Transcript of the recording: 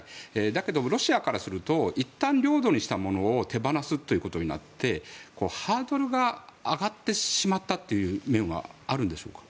だけどロシアからするといったん領土にしたものを手放すということになってハードルが上がってしまったという面もあるんでしょうか。